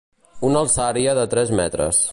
Una alçària de tres metres.